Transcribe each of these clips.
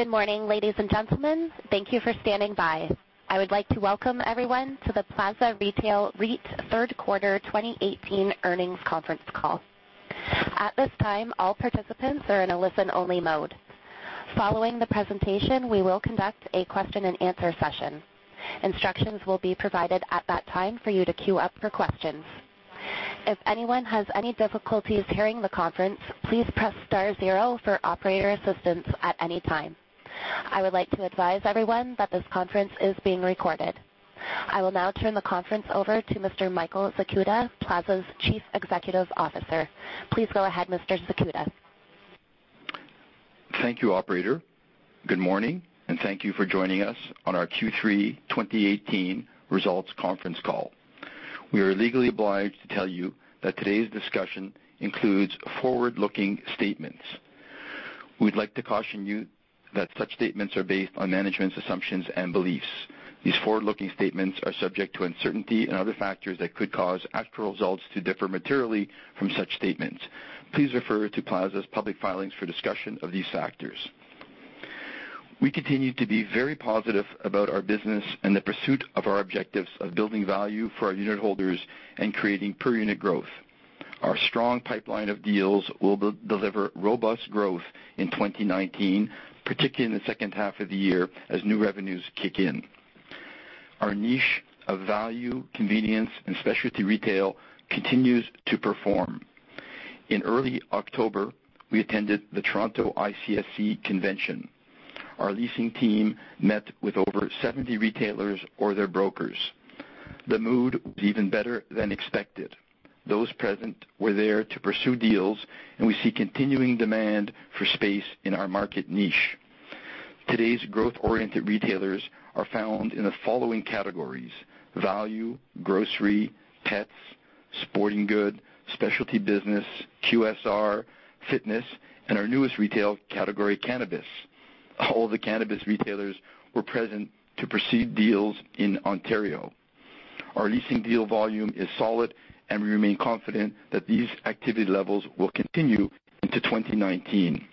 Good morning, ladies and gentlemen. Thank you for standing by. I would like to welcome everyone to the Plaza Retail REIT Third Quarter 2018 Earnings Conference Call. At this time, all participants are in a listen-only mode. Following the presentation, we will conduct a Q&A session. Instructions will be provided at that time for you to queue up for questions. If anyone has any difficulties hearing the conference, please press star zero for operator assistance at any time. I would like to advise everyone that this conference is being recorded. I will now turn the conference over to Mr. Michael Zakuta, Plaza's Chief Executive Officer. Please go ahead, Mr. Zakuta. Thank you, operator. Good morning. Thank you for joining us on our Q3 2018 results conference call. We are legally obliged to tell you that today's discussion includes forward-looking statements. We'd like to caution you that such statements are based on management's assumptions and beliefs. These forward-looking statements are subject to uncertainty and other factors that could cause actual results to differ materially from such statements. Please refer to Plaza's public filings for discussion of these factors. We continue to be very positive about our business and the pursuit of our objectives of building value for our unit holders and creating per-unit growth. Our strong pipeline of deals will deliver robust growth in 2019, particularly in the second half of the year as new revenues kick in. Our niche of value, convenience, and specialty retail continues to perform. In early October, we attended the Toronto ICSC convention. Our leasing team met with over 70 retailers or their brokers. The mood was even better than expected. Those present were there to pursue deals. We see continuing demand for space in our market niche. Today's growth-oriented retailers are found in the following categories: value, grocery, pets, sporting goods, specialty business, QSR, fitness, and our newest retail category, cannabis. All the cannabis retailers were present to proceed deals in Ontario. Our leasing deal volume is solid. We remain confident that these activity levels will continue into 2019.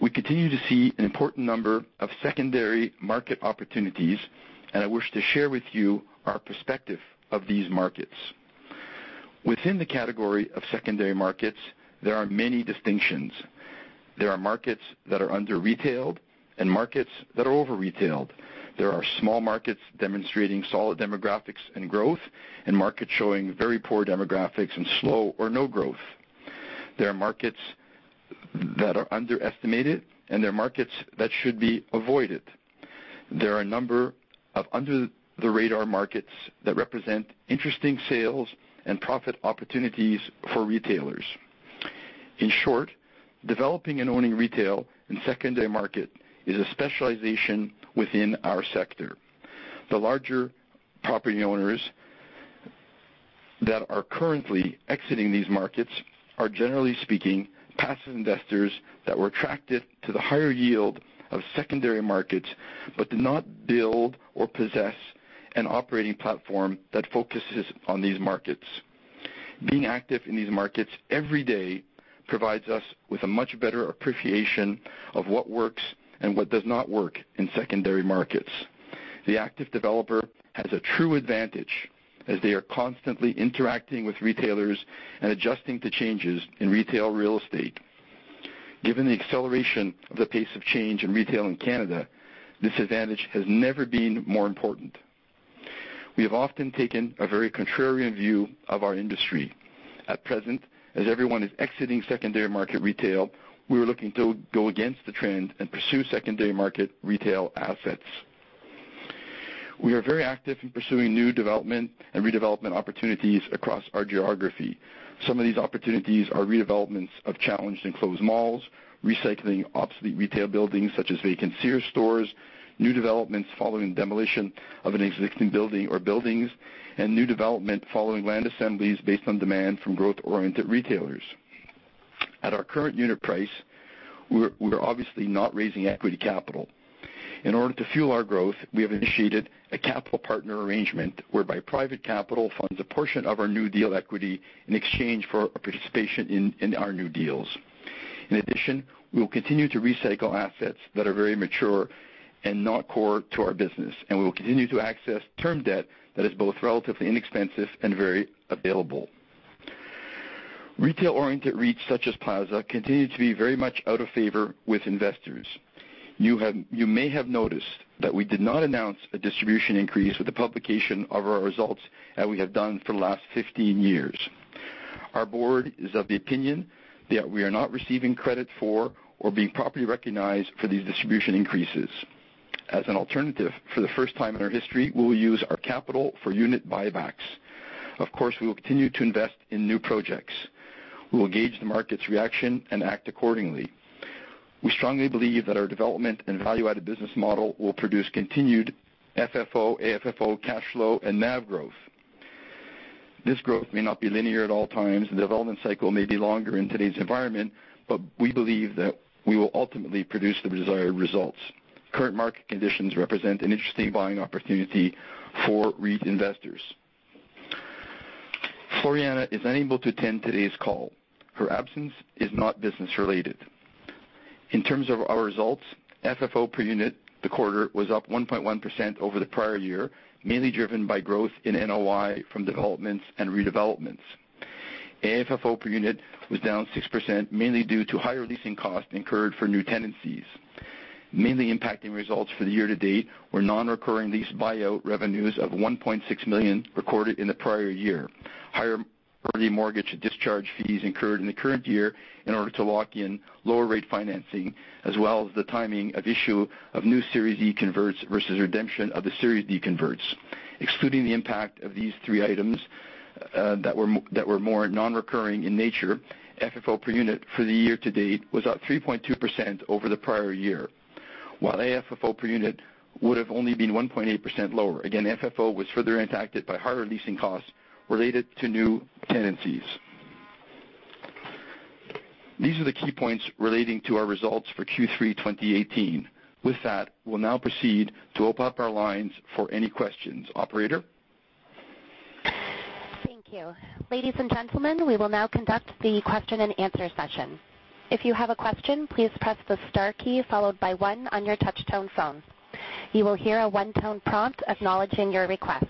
We continue to see an important number of secondary market opportunities. I wish to share with you our perspective of these markets. Within the category of secondary markets, there are many distinctions. There are markets that are under-retailed and markets that are over-retailed. There are small markets demonstrating solid demographics and growth. Markets showing very poor demographics and slow or no growth. There are markets that are underestimated. There are markets that should be avoided. There are a number of under-the-radar markets that represent interesting sales and profit opportunities for retailers. In short, developing and owning retail in secondary market is a specialization within our sector. The larger property owners that are currently exiting these markets are, generally speaking, passive investors that were attracted to the higher yield of secondary markets but did not build or possess an operating platform that focuses on these markets. Being active in these markets every day provides us with a much better appreciation of what works and what does not work in secondary markets. The active developer has a true advantage as they are constantly interacting with retailers and adjusting to changes in retail real estate. Given the acceleration of the pace of change in Canada, this advantage has never been more important. We have often taken a very contrarian view of our industry. At present, as everyone is exiting secondary market retail, we are looking to go against the trend and pursue secondary market retail assets. We are very active in pursuing new development and redevelopment opportunities across our geography. Some of these opportunities are redevelopments of challenged enclosed malls, recycling obsolete retail buildings such as vacant Sears stores, new developments following demolition of an existing building or buildings, and new development following land assemblies based on demand from growth-oriented retailers. At our current unit price, we're obviously not raising equity capital. In order to fuel our growth, we have initiated a capital partner arrangement whereby private capital funds a portion of our new deal equity in exchange for participation in our new deals. In addition, we will continue to recycle assets that are very mature and not core to our business, and we will continue to access term debt that is both relatively inexpensive and very available. Retail-oriented REITs such as Plaza continue to be very much out of favor with investors. You may have noticed that we did not announce a distribution increase with the publication of our results as we have done for the last 15 years. Our board is of the opinion that we are not receiving credit for or being properly recognized for these distribution increases. As an alternative, for the first time in our history, we will use our capital for unit buybacks. Of course, we will continue to invest in new projects. We will gauge the market's reaction and act accordingly. We strongly believe that our development and value-added business model will produce continued FFO, AFFO, cash flow, and NAV growth. This growth may not be linear at all times, and the development cycle may be longer in today's environment, but we believe that we will ultimately produce the desired results. Current market conditions represent an interesting buying opportunity for REIT investors. Floriana is unable to attend today's call. Her absence is not business-related. In terms of our results, FFO per unit, the quarter was up 1.1% over the prior year, mainly driven by growth in NOI from developments and redevelopments. AFFO per unit was down 6%, mainly due to higher leasing costs incurred for new tenancies. Mainly impacting results for the year to date were non-recurring lease buyout revenues of 1.6 million recorded in the prior year. Higher early mortgage discharge fees incurred in the current year in order to lock in lower rate financing, as well as the timing of issue of new Series E converts versus redemption of the Series D converts. Excluding the impact of these three items that were more non-recurring in nature, FFO per unit for the year to date was up 3.2% over the prior year. While AFFO per unit would've only been 1.8% lower. Again, FFO was further impacted by higher leasing costs related to new tenancies. These are the key points relating to our results for Q3 2018. With that, we'll now proceed to open up our lines for any questions. Operator? Thank you. Ladies and gentlemen, we will now conduct the Q&A session. If you have a question, please press the star key followed by one on your touch tone phone. You will hear a one-tone prompt acknowledging your request.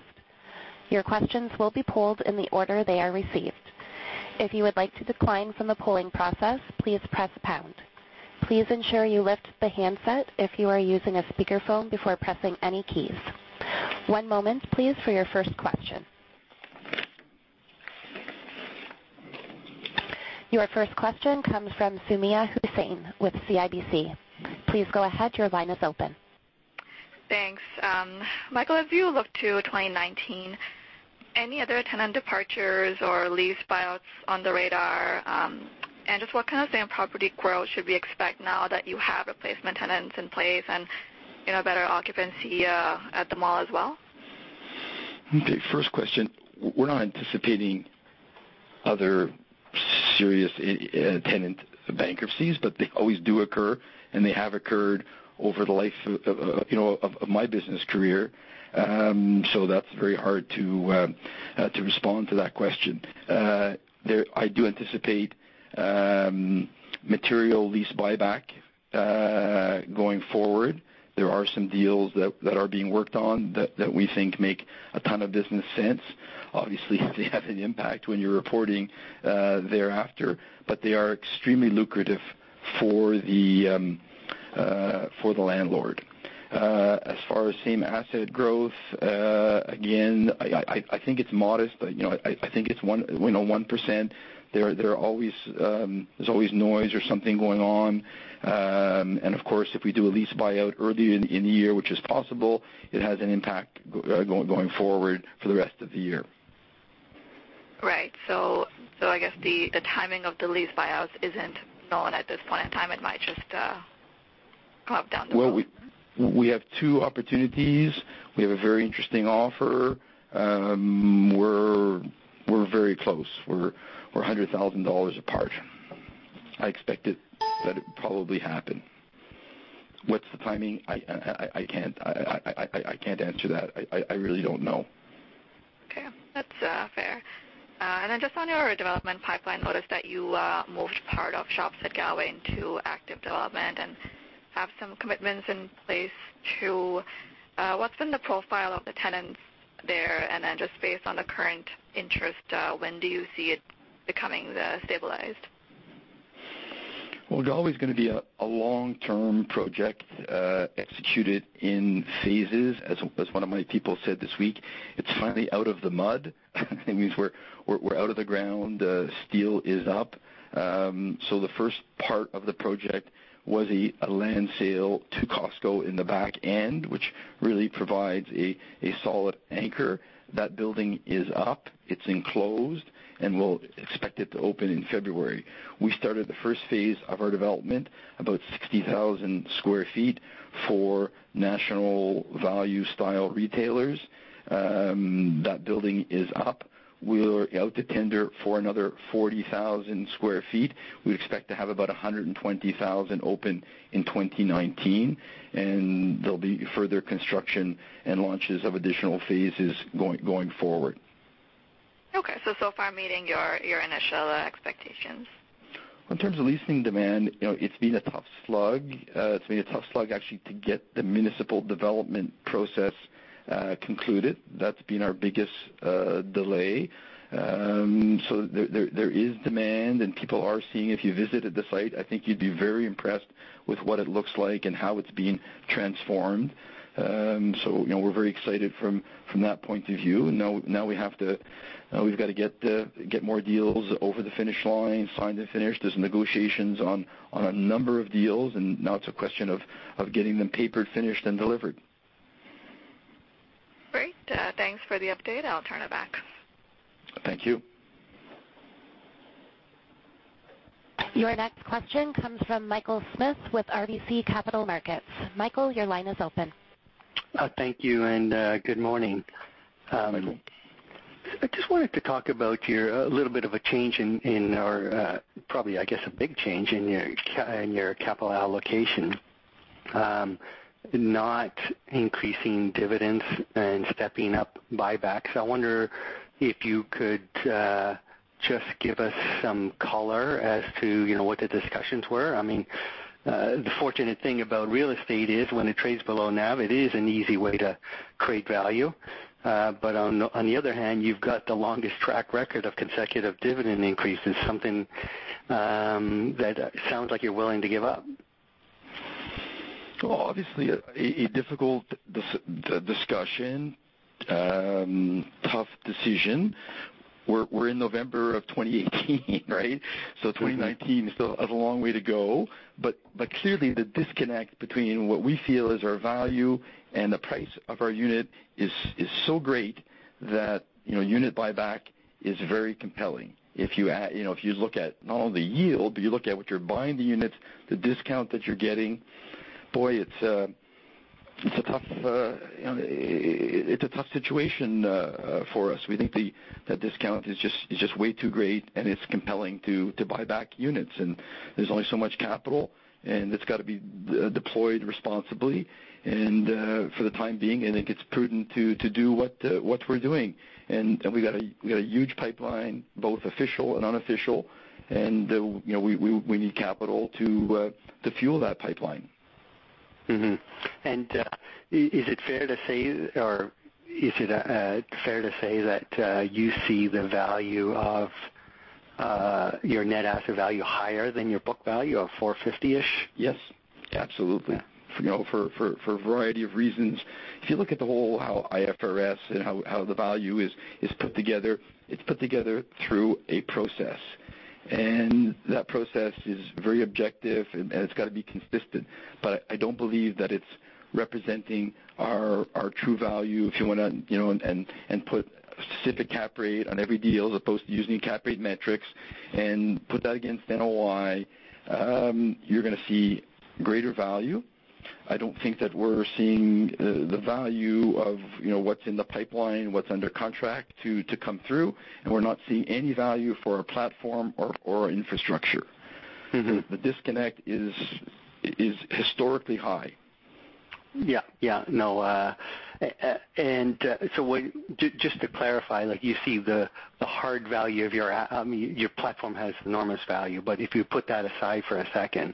Your questions will be polled in the order they are received. If you would like to decline from the polling process, please press pound. Please ensure you lift the handset if you are using a speakerphone before pressing any keys. One moment please for your first question. Your first question comes from Sumiya Subisain with CIBC. Please go ahead, your line is open. Thanks. Michael, as you look to 2019, any other tenant departures or lease buyouts on the radar? Just what kind of same property growth should we expect now that you have replacement tenants in place and better occupancy at the mall as well? Okay. First question, we're not anticipating other serious tenant bankruptcies, but they always do occur, and they have occurred over the life of my business career. That's very hard to respond to that question. I do anticipate material lease buyback going forward. There are some deals that are being worked on that we think make a ton of business sense. Obviously, they have an impact when you're reporting thereafter, but they are extremely lucrative for the landlord. As far as same asset growth, again, I think it's modest, but I think it's 1%. There's always noise or something going on. Of course, if we do a lease buyout early in the year, which is possible, it has an impact going forward for the rest of the year. Right. I guess the timing of the lease buyouts isn't known at this point in time. It might just pop down the road. Well, we have two opportunities. We have a very interesting offer. We're very close. We're 100,000 dollars apart. I expect that it'd probably happen. What's the timing? I can't answer that. I really don't know. Okay. That's fair. Just on your development pipeline, noticed that you moved part of Shops at Galway into active development and have some commitments in place to What's been the profile of the tenants there? Just based on the current interest, when do you see it becoming stabilized? Well, they're always going to be a long-term project, executed in phases. As one of my people said this week, it's finally out of the mud. That means we're out of the ground. Steel is up. The first part of the project was a land sale to Costco in the back end, which really provides a solid anchor. That building is up, it's enclosed, and we'll expect it to open in February. We started the first phase of our development, about 60,000 sq ft for national value style retailers. That building is up. We're out to tender for another 40,000 sq ft. We expect to have about 120,000 open in 2019, and there'll be further construction and launches of additional phases going forward. Okay. So far meeting your initial expectations. In terms of leasing demand, it's been a tough slog. It's been a tough slog actually to get the municipal development process concluded. That's been our biggest delay. There is demand, and people are seeing. If you visited the site, I think you'd be very impressed with what it looks like and how it's being transformed. We're very excited from that point of view. Now we've got to get more deals over the finish line, signed and finished. There's negotiations on a number of deals, and now it's a question of getting them papered, finished, and delivered. Great. Thanks for the update. I'll turn it back. Thank you. Your next question comes from Michael Smith with RBC Capital Markets. Michael, your line is open. Thank you, and good morning. Good morning. I just wanted to talk about your, a little bit of a change in our, probably, I guess, a big change in your capital allocation, not increasing dividends and stepping up buybacks. I wonder if you could just give us some color as to what the discussions were. The fortunate thing about real estate is when it trades below NAV, it is an easy way to create value. On the other hand, you've got the longest track record of consecutive dividend increases, something that sounds like you're willing to give up. Well, obviously, a difficult discussion, tough decision. We're in November of 2018, right? 2019 still has a long way to go. Clearly, the disconnect between what we feel is our value and the price of our unit is so great that unit buyback is very compelling. If you look at not only the yield, but you look at what you're buying the units, the discount that you're getting, boy, it's a tough situation for us. We think the discount is just way too great, and it's compelling to buy back units. There's only so much capital, and it's got to be deployed responsibly. For the time being, I think it's prudent to do what we're doing. We got a huge pipeline, both official and unofficial. We need capital to fuel that pipeline. Is it fair to say that you see the value of your net asset value higher than your book value of 4.50-ish? Yes, absolutely. For a variety of reasons. If you look at the whole how IFRS and how the value is put together, it's put together through a process. That process is very objective, and it's got to be consistent. I don't believe that it's representing our true value. If you want to put a specific cap rate on every deal, as opposed to using cap rate metrics and put that against NOI, you're going to see greater value. I don't think that we're seeing the value of what's in the pipeline, what's under contract to come through, and we're not seeing any value for our platform or our infrastructure. The disconnect is historically high. Yeah. Just to clarify, you see the hard value of your platform has enormous value. If you put that aside for a second,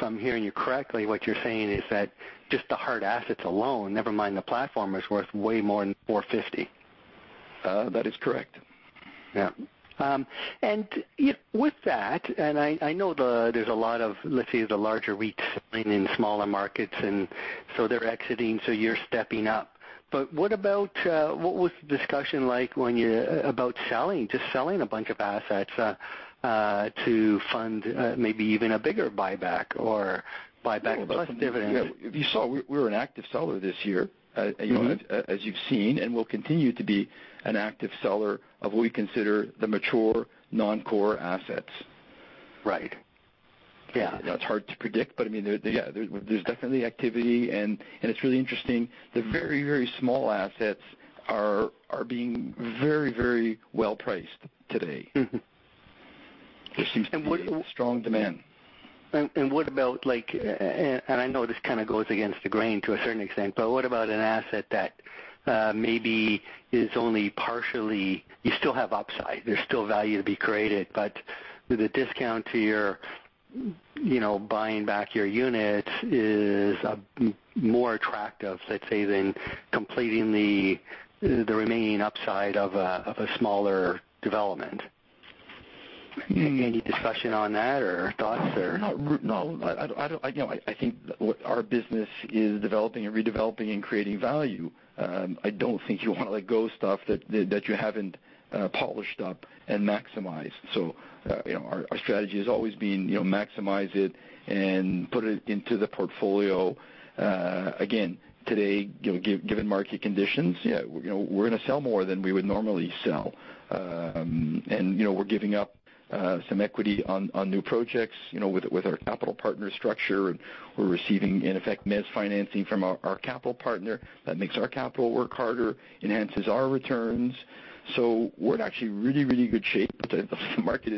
if I'm hearing you correctly, what you're saying is that just the hard assets alone, never mind the platform, is worth way more than 4.50. That is correct. Yeah. With that, and I know there's a lot of, let's say, the larger REITs playing in smaller markets, and so they're exiting, so you're stepping up. What was the discussion like about selling, just selling a bunch of assets to fund maybe even a bigger buyback or buyback plus dividend? If you saw, we're an active seller this year. As you've seen, and we'll continue to be an active seller of what we consider the mature non-core assets. Right. Yeah. That's hard to predict, but there's definitely activity, and it's really interesting. The very, very small assets are being very, very well-priced today. There seems to be a strong demand. What about, and I know this kind of goes against the grain to a certain extent, but what about an asset that maybe is only partially, you still have upside. There's still value to be created, but the discount to your buying back your units is more attractive, let's say, than completing the remaining upside of a smaller development. Any discussion on that or thoughts or? No. I think our business is developing and redeveloping and creating value. I don't think you want to let go of stuff that you haven't polished up and maximized. Our strategy has always been maximize it and put it into the portfolio. Again, today, given market conditions, we're going to sell more than we would normally sell. We're giving up some equity on new projects with our capital partner structure. We're receiving, in effect, mezz financing from our capital partner. That makes our capital work harder, enhances our returns. We're in actually really, really good shape. The market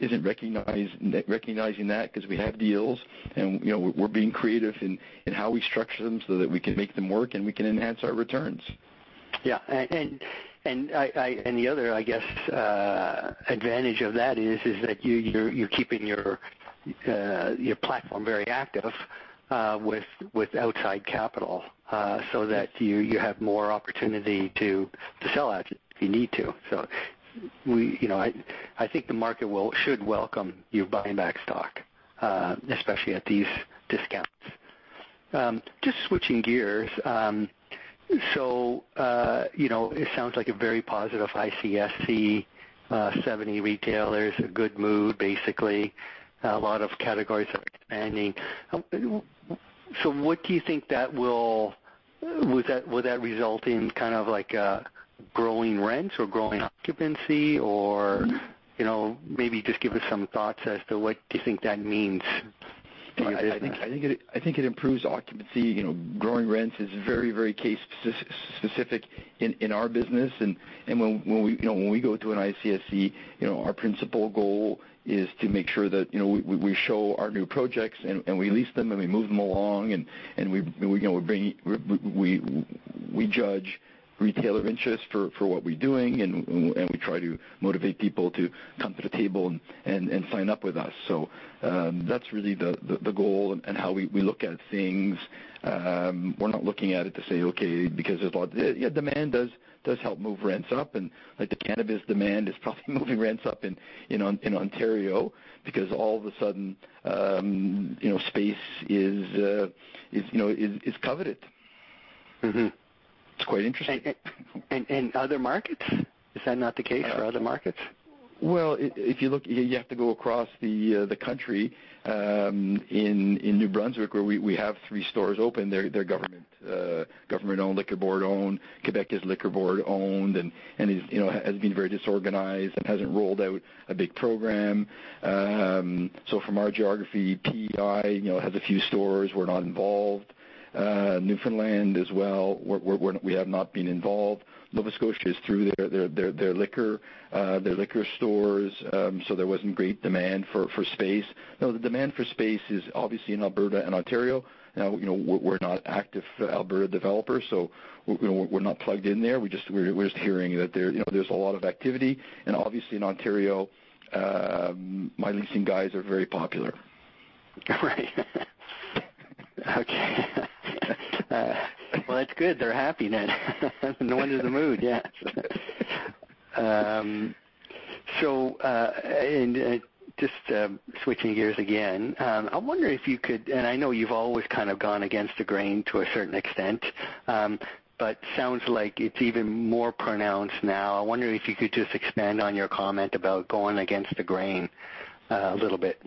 isn't recognizing that because we have deals, and we're being creative in how we structure them so that we can make them work, and we can enhance our returns. Yeah. The other, I guess, advantage of that is that you're keeping your platform very active with outside capital so that you have more opportunity to sell assets if you need to. I think the market should welcome you buying back stock, especially at these discounts. Just switching gears. It sounds like a very positive ICSC, 70 retailers, a good mood, basically. A lot of categories are expanding. What do you think that will result in kind of like a growing rent or growing occupancy? Maybe just give us some thoughts as to what you think that means. I think it improves occupancy. Growing rents is very case specific in our business. When we go to an ICSC, our principal goal is to make sure that we show our new projects and we lease them and we move them along, and we judge retailer interest for what we're doing, and we try to motivate people to come to the table and sign up with us. That's really the goal and how we look at things. We're not looking at it to say, "Okay, because there's" Yeah, demand does help move rents up. The cannabis demand is probably moving rents up in Ontario because all of a sudden space is coveted. It's quite interesting. Other markets, is that not the case for other markets? Well, you have to go across the country. In New Brunswick, where we have three stores open, they're government-owned, Liquor Board-owned. Quebec is Liquor Board-owned, has been very disorganized and hasn't rolled out a big program. From our geography, PEI has a few stores. We're not involved. Newfoundland as well, we have not been involved. Nova Scotia is through their liquor stores, so there wasn't great demand for space. The demand for space is obviously in Alberta and Ontario. We're not active Alberta developers, so we're not plugged in there. We're just hearing that there's a lot of activity, and obviously in Ontario, my leasing guys are very popular. Right. Okay. Well, that's good. They're happy then. No wonder the mood, yeah. Just switching gears again. I wonder if you could And I know you've always kind of gone against the grain to a certain extent, but sounds like it's even more pronounced now. I wonder if you could just expand on your comment about going against the grain a little bit.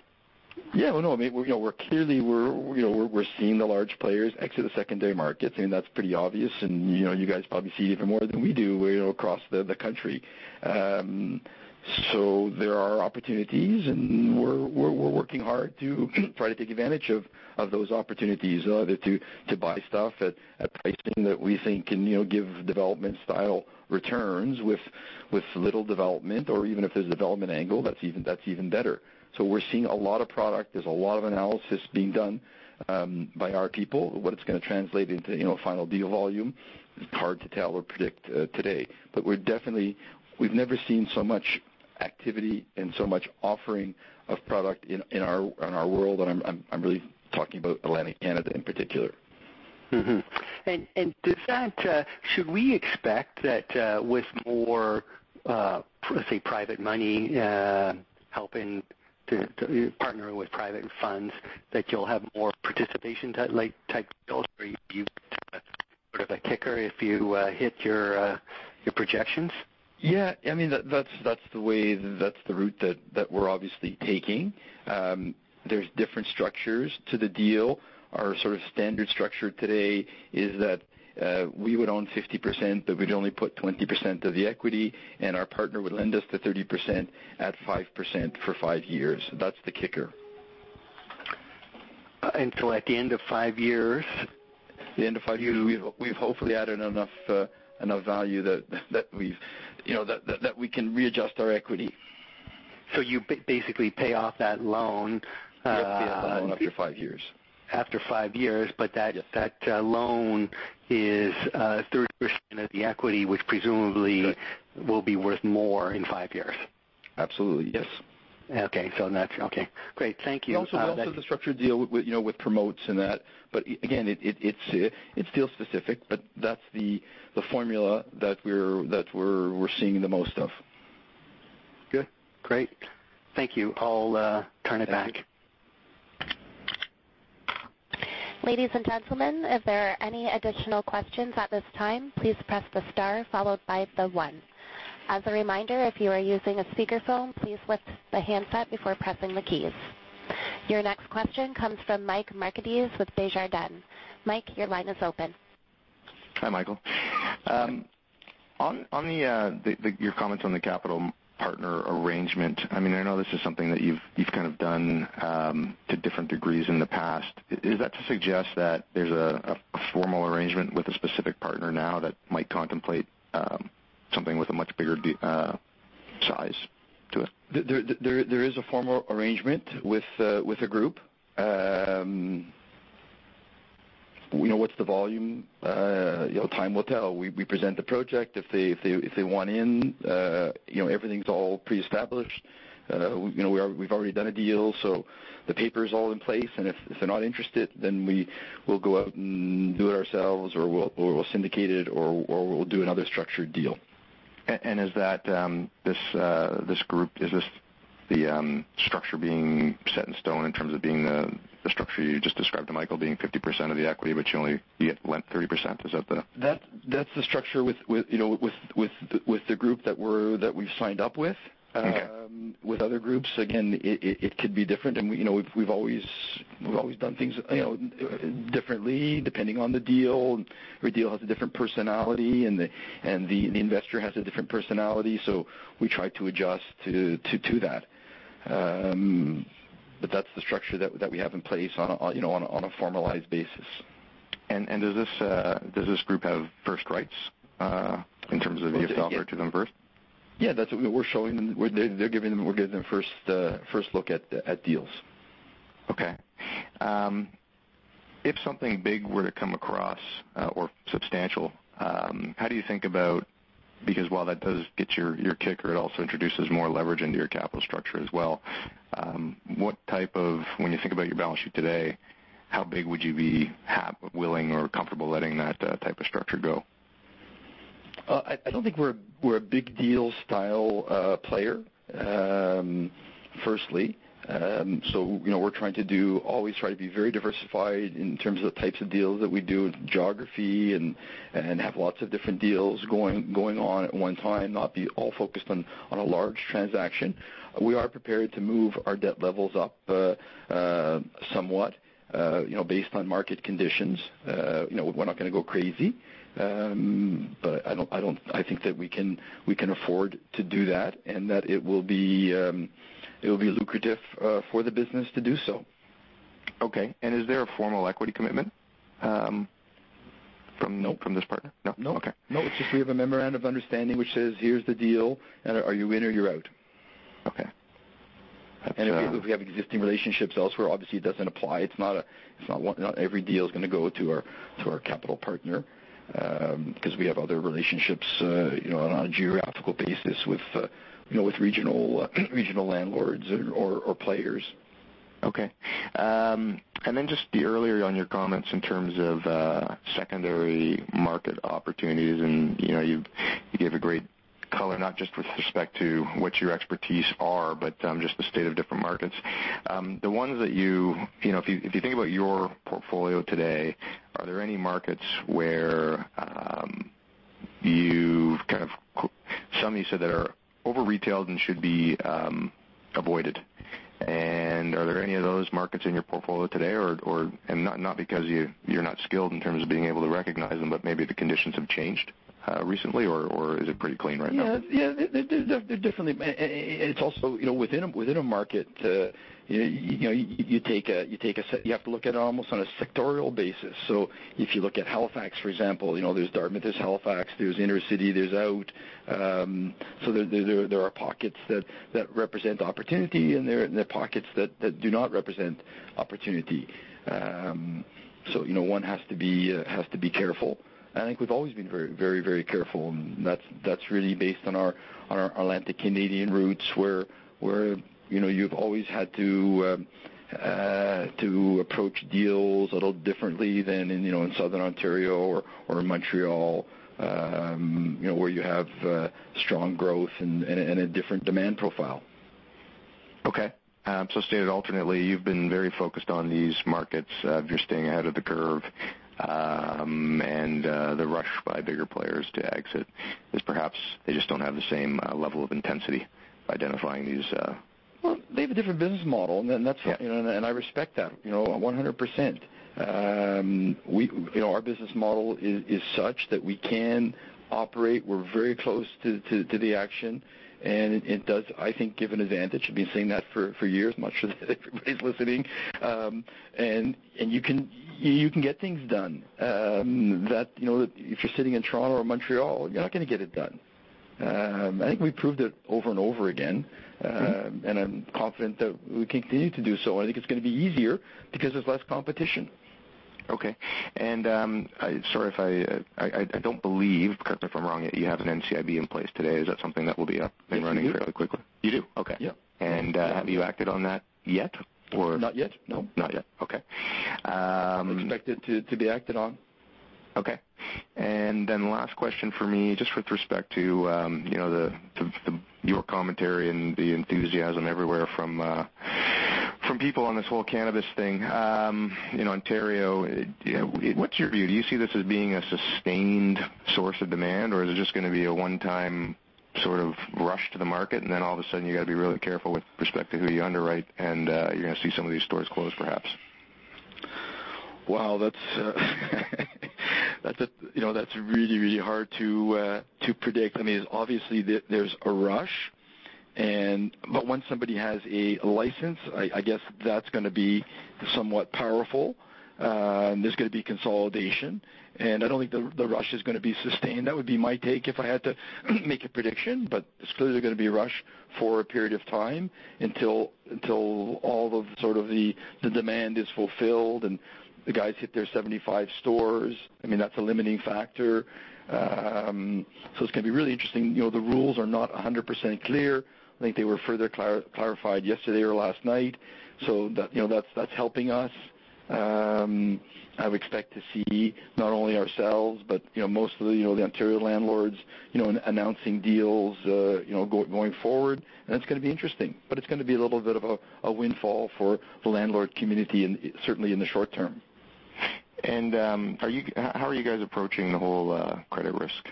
Yeah, well, no, clearly, we're seeing the large players exit the secondary markets, and that's pretty obvious, and you guys probably see it even more than we do across the country. There are opportunities, and we're working hard to try to take advantage of those opportunities, either to buy stuff at a pricing that we think can give development-style returns with little development or even if there's a development angle, that's even better. We're seeing a lot of product. There's a lot of analysis being done by our people. What it's going to translate into final deal volume is hard to tell or predict today. We've never seen so much activity and so much offering of product in our world, and I'm really talking about Atlantic Canada in particular. Should we expect that with more, let's say, private money helping to partner with private funds, that you'll have more participation type deals where you sort of a kicker if you hit your projections? Yeah. That's the route that we're obviously taking. There's different structures to the deal. Our sort of standard structure today is that we would own 50%, but we'd only put 20% of the equity, and our partner would lend us the 30% at 5% for five years. That's the kicker. Until at the end of five years? At the end of five years, we've hopefully added enough value that we can readjust our equity. You basically pay off that loan. Pay off the loan after five years. After five years, that loan is 30% of the equity, which presumably will be worth more in five years. Absolutely, yes. Okay, great. Thank you. We also have the structured deal with promotes and that. Again, it's deal specific, but that's the formula that we're seeing the most of. Good. Great. Thank you. I'll turn it back. Ladies and gentlemen, if there are any additional questions at this time, please press the star followed by the one. As a reminder, if you are using a speakerphone, please lift the handset before pressing the keys. Your next question comes from Mike Markidis with Desjardins. Mike, your line is open. Hi, Michael. On your comments on the capital partner arrangement, I know this is something that you've kind of done to different degrees in the past. Is that to suggest that there's a formal arrangement with a specific partner now that might contemplate something with a much bigger size to it? There is a formal arrangement with a group. What's the volume? Time will tell. We present the project. If they want in, everything's all pre-established. We've already done a deal, so the paper's all in place, and if they're not interested, then we'll go out and do it ourselves, or we'll syndicate it, or we'll do another structured deal. This group, is this the structure being set in stone in terms of being the structure you just described to Michael, being 50% of the equity, but you only yet lent 30%? Is that the? That's the structure with the group that we've signed up with. Okay. With other groups, again, it could be different, and we've always done things differently depending on the deal. Every deal has a different personality, and the investor has a different personality. We try to adjust to that. That's the structure that we have in place on a formalized basis. Does this group have first rights in terms of you sell first to them first? Yeah, we're giving them first look at deals. Okay. If something big were to come across or substantial, how do you think about because while that does get your kicker, it also introduces more leverage into your capital structure as well. When you think about your balance sheet today, how big would you be willing or comfortable letting that type of structure go? I don't think we're a big deal style player, firstly. We always try to be very diversified in terms of the types of deals that we do, geography and have lots of different deals going on at one time, not be all focused on a large transaction. We are prepared to move our debt levels up, somewhat, based on market conditions. We're not going to go crazy. I think that we can afford to do that and that it'll be lucrative for the business to do so. Okay, is there a formal equity commitment from- No. From this partner? No. No. Okay. No, it's just we have a memorandum of understanding, which says, "Here's the deal, and are you in or you're out? Okay. If we have existing relationships elsewhere, obviously it doesn't apply. Not every deal is going to go to our capital partner, because we have other relationships on a geographical basis with regional landlords or players. Okay. Just earlier on your comments in terms of secondary market opportunities, you gave a great color, not just with respect to what your expertise are, but just the state of different markets. If you think about your portfolio today, are there any markets where you've kind of Some you said that are over-retailed and should be avoided. Are there any of those markets in your portfolio today or, not because you're not skilled in terms of being able to recognize them, but maybe the conditions have changed recently, or is it pretty clean right now? Yeah. There definitely. It's also within a market, you have to look at it almost on a sectorial basis. If you look at Halifax, for example, there's Dartmouth, there's Halifax, there's inner city, there's out. There are pockets that represent opportunity, and there are pockets that do not represent opportunity. One has to be careful. I think we've always been very careful, and that's really based on our Atlantic Canadian roots, where you've always had to approach deals a little differently than in Southern Ontario or Montreal, where you have strong growth and a different demand profile. Stated alternately, you've been very focused on these markets. You're staying ahead of the curve. The rush by bigger players to exit is perhaps they just don't have the same level of intensity identifying these. Well, they have a different business model. Yeah. I respect that 100%. Our business model is such that we can operate, we're very close to the action. It does, I think, give an advantage. We've been saying that for years much everybody's listening. You can get things done. If you're sitting in Toronto or Montreal, you're not going to get it done. I think we proved it over and over again. I'm confident that we continue to do so. I think it's going to be easier because there's less competition. Okay. Sorry if I don't believe, correct me if I'm wrong, that you have an NCIB in place today. Is that something that will be up and running fairly quickly? We do. You do? Okay. Yeah. Have you acted on that yet? Not yet. No. Not yet, okay. Expected to be acted on. Okay. Last question from me, just with respect to your commentary and the enthusiasm everywhere from people on this whole cannabis thing. In Ontario, what's your view? Do you see this as being a sustained source of demand, or is it just going to be a one-time sort of rush to the market, and then all of a sudden you got to be really careful with respect to who you underwrite and you're going to see some of these stores close perhaps? Wow, that's really hard to predict. Obviously, there's a rush. Once somebody has a license, I guess that's going to be somewhat powerful. There's going to be consolidation. I don't think the rush is going to be sustained. That would be my take if I had to make a prediction, but there's clearly going to be a rush for a period of time until all of sort of the demand is fulfilled and the guys hit their 75 stores. That's a limiting factor. It's going to be really interesting. The rules are not 100% clear. I think they were further clarified yesterday or last night. That's helping us. I would expect to see not only ourselves, but most of the Ontario landlords announcing deals going forward. It's going to be interesting. It's going to be a little bit of a windfall for the landlord community certainly in the short term. How are you guys approaching the whole credit risk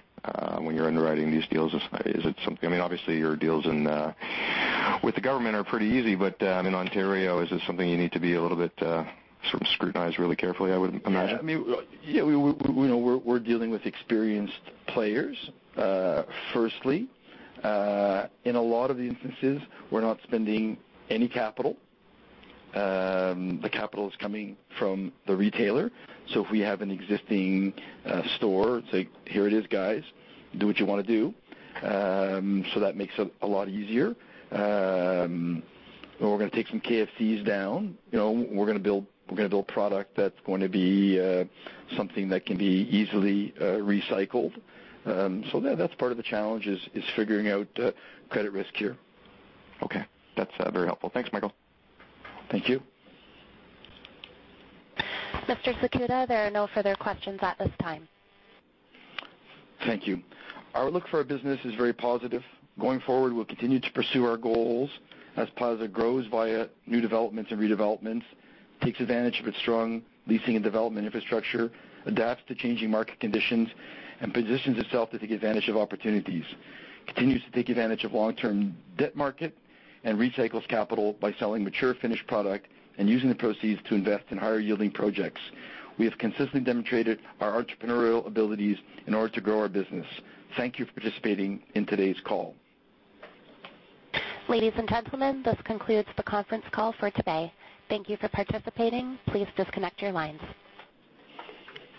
when you're underwriting these deals? Is it something? Obviously, your deals with the government are pretty easy. In Ontario, is this something you need to be a little bit sort of scrutinized really carefully, I would imagine. Yeah. We're dealing with experienced players, firstly. In a lot of the instances, we're not spending any capital. The capital is coming from the retailer. If we have an existing store, it's like, "Here it is, guys. Do what you want to do." That makes it a lot easier. We're going to take some KFC down. We're going to build a product that's going to be something that can be easily recycled. That's part of the challenge is figuring out credit risk here. Okay. That's very helpful. Thanks, Michael. Thank you. Mr. Zakuta, there are no further questions at this time. Thank you. Our look for our business is very positive. Going forward, we'll continue to pursue our goals as Plaza grows via new developments and redevelopments, takes advantage of its strong leasing and development infrastructure, adapts to changing market conditions, and positions itself to take advantage of opportunities. Continues to take advantage of long-term debt market and recycles capital by selling mature finished product and using the proceeds to invest in higher yielding projects. We have consistently demonstrated our entrepreneurial abilities in order to grow our business. Thank you for participating in today's call. Ladies and gentlemen, this concludes the conference call for today. Thank you for participating. Please disconnect your lines.